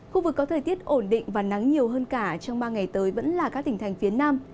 khu vực có thời tiết ổn định và nắng nhiều hơn cả trong ba ngày tới vẫn là các tỉnh thành phía nam